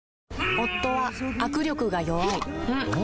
夫は握力が弱い